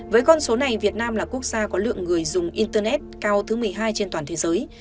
với con số này việt nam là quốc gia có lượng người dùng internet cao thứ một mươi hai trên toàn thế giới